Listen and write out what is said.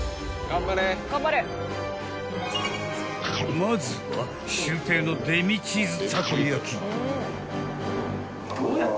［まずはシュウペイのデミチーズたこ焼］